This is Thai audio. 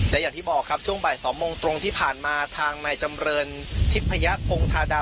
และอย่างที่บอกครับช่วงบ่าย๒โมงตรงที่ผ่านมาทางนายจำเรินทิพยพงธาดา